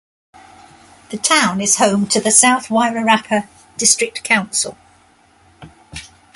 The town is home to the South Wairarapa District Council.